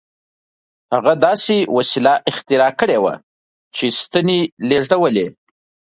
هغه داسې وسیله اختراع کړې وه چې ستنې لېږدولې